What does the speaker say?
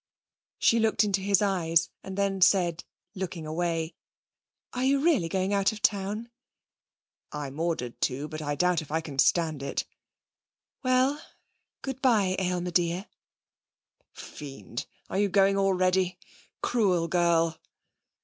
She looked into his eyes, and then said, looking away: 'Are you really going out of town?' 'I'm ordered to. But I doubt if I can stand it.' 'Well, good bye, Aylmer dear.' 'Fiend! Are you going already? Cruel girl!'